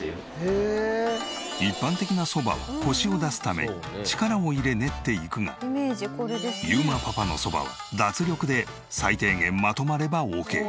一般的なそばはコシを出すため力を入れ練っていくが裕磨パパのそばは脱力で最低限まとまればオーケー。